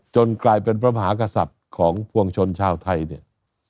จนกลายเป็นพระมหากษัตริย์ของภวงชนชาวไทย